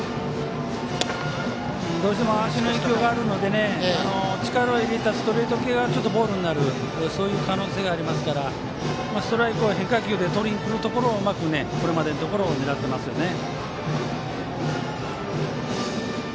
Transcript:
どうしても足の影響があるので力を入れたストレート系がボールになる可能性がありますからストライクを変化球でとりにくるところをうまく、これまでのところは狙っていますね。